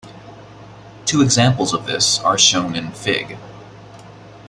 Two examples of this are shown in Fig.